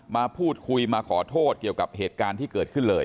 มาพูดคุยมาขอโทษเกี่ยวกับเหตุการณ์ที่เกิดขึ้นเลย